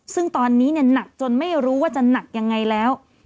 ซึ่งตอนนี้หนักจนไม่รู้ว่าจะหนักยังไงแล้ว